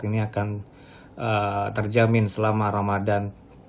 ini akan terjamin selama ramadan